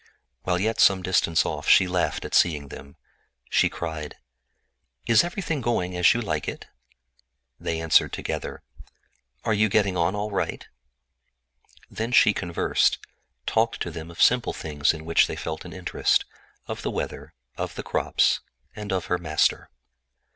While yet some distance off she laughed at seeing them. Then she cried: "Is everything going as you like it?" And in unison they asked: "Are you getting on all right?" Then she conversed, talked to them of simple things in which they felt an interest—of the weather, of the crops, and of her master.